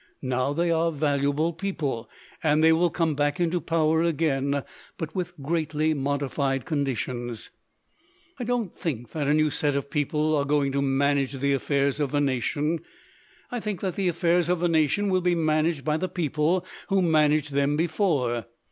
Now they are valuable people. And they will come back into power again, but with greatly modified conditions. "I don't think that a new set of people are going to manage the affairs of the nation. I think that the affairs of the nation will be man aged by the people who managed them before.